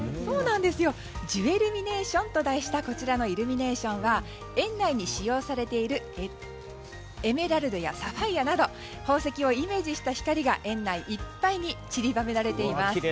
ジュエルミネーションと題したこちらのイルミネーションはエメラルドやサファイヤなど宝石をイメージした光が園内いっぱいに散りばめられています。